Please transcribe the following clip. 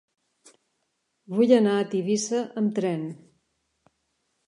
Vull anar a Tivissa amb tren.